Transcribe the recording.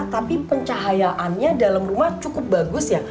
tapi pencahayaannya dalam rumah cukup bagus ya